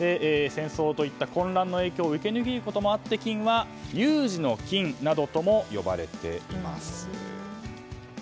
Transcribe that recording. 戦争といった混乱の影響を受けにくいこともあって金は、有事の金などとも呼ばれています。